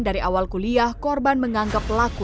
dari awal kuliah korban menganggap pelaku